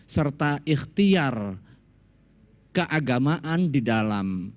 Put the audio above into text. serta ikhtiar keagamaan di dalam